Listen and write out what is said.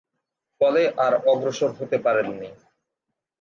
ফলে আর অগ্রসর হতে পারেননি।